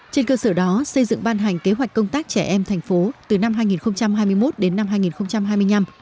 trên cơ sở đó xây dựng ban hành kế hoạch công tác trẻ em thành phố từ năm hai nghìn hai mươi một đến năm hai nghìn hai mươi năm